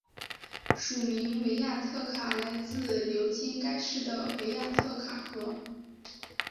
原名维亚特卡来自流经该市的维亚特卡河。